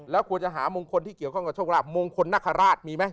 แล้วควรจะหามงคลที่เกี่ยวข้องกับโชคลาภมงคลนคราชมีไหม